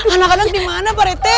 anak anak dimana pak rete